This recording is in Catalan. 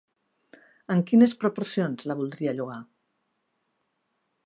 En quines proporcions la voldria llogar?